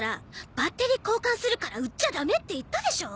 バッテリー交換するから売っちゃダメって言ったでしょ！